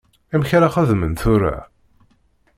Amek ara xedmen tura?